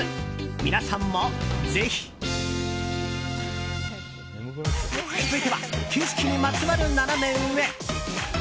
皆さんも、ぜひ！続いては景色にまつわるナナメ上。